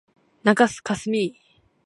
中須かすみ